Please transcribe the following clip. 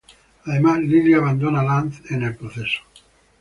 Además, Lilia abandona Lance en el proceso.